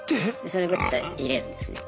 それグッと入れるんですね。